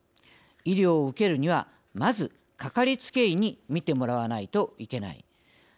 医療を受けるにはまずかかりつけ医に診てもらわないといけない。